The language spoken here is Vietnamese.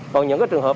còn những trường hợp